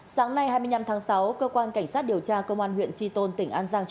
sáng nay hai mươi năm tháng sáu cơ quan cảnh sát điều tra công an huyện tri tôn tỉnh an giang